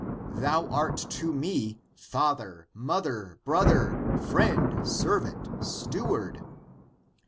Thou art to me, father, mother, broth er, friend, servant, steward.